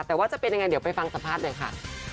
แต่ว่าจะเป็นยังไงเดี๋ยวไปฟังสัมภาษณ์หน่อยค่ะ